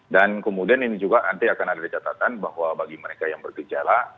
dan kemudian ini juga nanti akan ada catatan bahwa bagi mereka yang berkejala